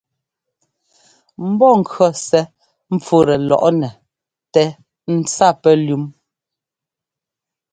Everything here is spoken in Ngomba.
Mbɔ́ŋkʉɔ́ sɛ́ ḿpfútɛ lɔ́ꞌnɛ tɛ ńtsa pɛlʉ́m.